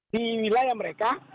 di wilayah mereka